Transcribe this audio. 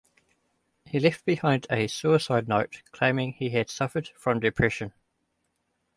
He left behind a suicide note claiming he had suffered from depression.